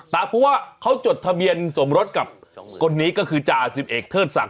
เพราะว่าเขาจดทะเบียนสมรสกับคนนี้ก็คือจ่าสิบเอกเทิดศักดิ